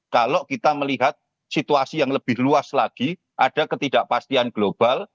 kalau kita melihat situasi yang lebih luas lagi ada ketidakpastian global